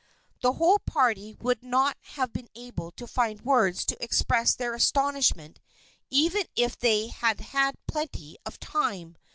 The whole party would not have been able to find words to express their astonishment even if they had had plenty of time.